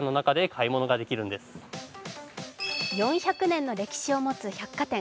４００年の歴史を持つ百貨店